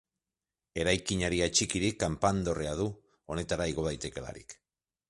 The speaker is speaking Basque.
Eraikinari atxikirik kanpandorrea du, honetara igo daitekeelarik.